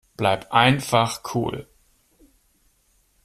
Bleib einfach cool.